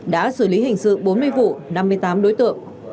đã xử lý hình sự bốn mươi vụ năm mươi tám đối tượng